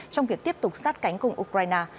trong việc tiếp tục sát cánh cùng ukraine